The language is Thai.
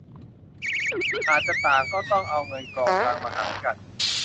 อาจจะต่างก็ต้องเอาเงินกองกลางมาหารกัน